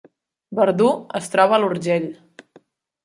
Verdú es troba a l’Urgell